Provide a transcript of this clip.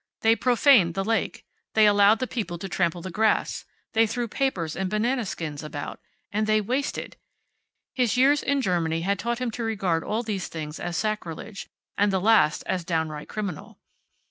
They profaned the lake. They allowed the people to trample the grass. They threw papers and banana skins about. And they wasted! His years in Germany had taught him to regard all these things as sacrilege, and the last as downright criminal.